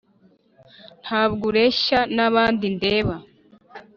Ntabwo ureshya n’aba ndeba,